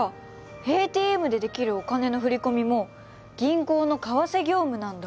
ＡＴＭでできるお金の振り込みも銀行の為替業務なんだ。